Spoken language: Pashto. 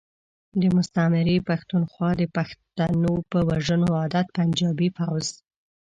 د مستعمرې پختونخوا د پښتنو په وژنو عادت پنجابی فوځ.